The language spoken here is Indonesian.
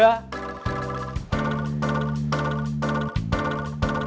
aku tuh masih